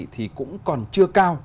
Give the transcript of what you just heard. thì cũng còn chưa cao